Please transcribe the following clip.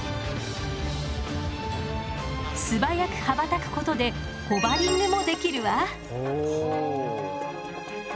すばやく羽ばたくことでホバリングもできるわ。